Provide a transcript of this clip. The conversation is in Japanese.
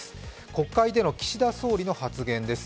国会での岸田総理の発言です。